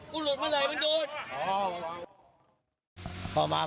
ผู้หลุดเมื่อไรมันโดน